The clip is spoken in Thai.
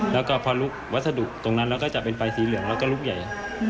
แล้วก็พอลุกวัสดุตรงนั้นแล้วก็จะเป็นไฟสีเหลืองแล้วก็ลุกใหญ่